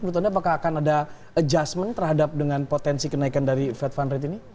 menurut anda apakah akan ada adjustment terhadap dengan potensi kenaikan dari fed fund rate ini